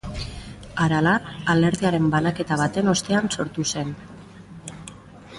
Aralar alderdiaren banaketa baten ostean sortu zen.